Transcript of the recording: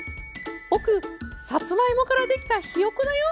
僕さつまいもからできたひよこだよ」。